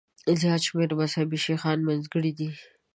زیات شمېر مذهبي شیخان منځګړي دي.